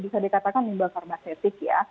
yang dikatakan nimba karmasetik ya